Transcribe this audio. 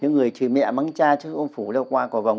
những người chửi mẹ mắng cha chứ không phủ leo qua cỏ vồng